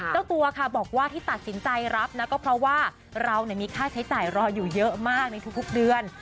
เจ้าตัวค่ะบอกว่าที่ตัดสินใจรับนะก็เพราะว่าเรามีค่าใช้จ่ายรออยู่เยอะมากในทุกเดือน